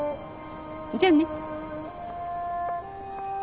じゃあね。